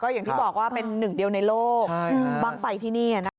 อย่างที่บอกว่าเป็นหนึ่งเดียวในโลกบ้างไฟที่นี่นะคะ